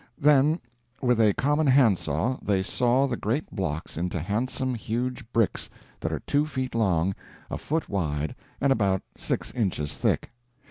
Then with a common handsaw they saw the great blocks into handsome, huge bricks that are two feet long, a foot wide, and about six inches thick.